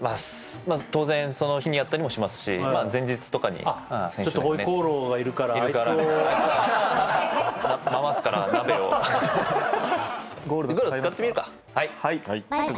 当然その日にやったりもしますし前日とかにホイコーローがいるからあいつを回すから鍋をゴールド使いますか？